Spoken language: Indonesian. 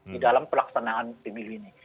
di dalam pelaksanaan pemilu ini